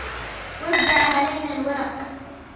وزع علينا الورق.